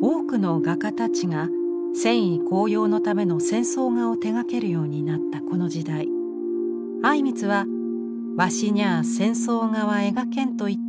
多くの画家たちが戦意高揚のための戦争画を手がけるようになったこの時代靉光は「わしにゃあ戦争画は描けん」と言ったと伝えられています。